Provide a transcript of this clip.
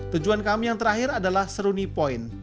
tujuan kami yang terakhir adalah seruni point